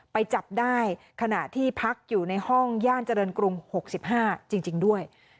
ไปจับได้ขณะที่พักอยู่ในห้องย่านเจริญกรุง๖๕จริงด้วย